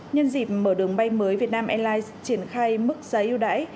nhân dịp mở đường bay mới việt nam airlines triển khai mức giá yêu đáy